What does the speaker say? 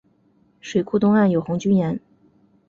水库东岸有红军岩。